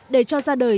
để cho ra đời